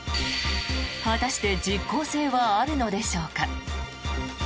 果たして、実効性はあるのでしょうか。